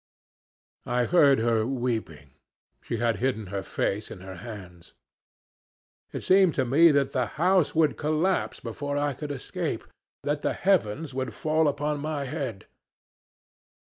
I heard her weeping; she had hidden her face in her hands. It seemed to me that the house would collapse before I could escape, that the heavens would fall upon my head.